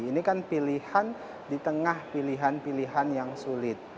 jadi kita tidak bisa melakukan keputusan keputusan yang terakhir